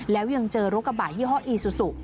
แล้วยังเจอรถกระบะยี่ห้ออีซูซู